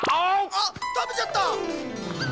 あったべちゃった！